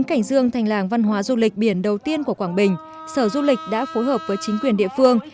cảnh dương thành làng văn hóa du lịch biển đầu tiên của quảng bình sở du lịch đã phối hợp với chính quyền địa phương